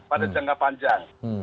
pada jangka panjang